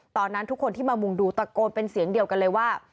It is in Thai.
ทุกคนที่มามุงดูตะโกนเป็นเสียงเดียวกันเลยว่า